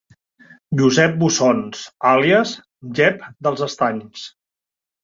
Josep Bussons, àlies Jep dels Estanys.